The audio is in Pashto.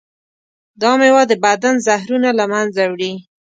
دا میوه د بدن زهرونه له منځه وړي.